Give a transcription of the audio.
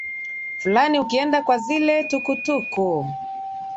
fulani ukienda kwa zile tukutuku